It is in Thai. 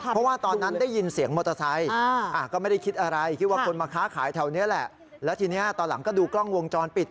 เพราะว่าตอนนั้นได้ยินเสียงมอเตอร์ไซค์ก็ไม่ได้คิดอะไรคิดว่าคนมาค้าขายแถวนี้แหละแล้วทีนี้ตอนหลังก็ดูกล้องวงจรปิด